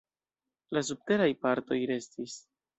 La subteraj partoj restis.